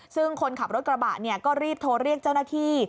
ซึ่งคนขับรถกระบะก็รีบโทรเรียกเจ้าหน้าที่